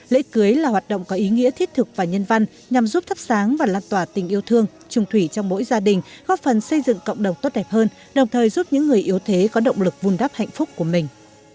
lễ cưới là hoạt động có ý nghĩa thiết thực và nhân văn nhằm giúp thắp sáng và lan tỏa tình yêu thương trùng thủy trong mỗi gia đình góp phần xây dựng cộng đồng tốt đẹp hơn đồng thời giúp những người yếu thế có động lực vun đắp hạnh phúc của mình